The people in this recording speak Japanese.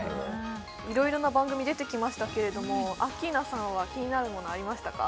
いろいろな番組出てきましたけれどもアッキーナさんは気になるものありましたか？